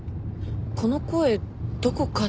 この声どこかで。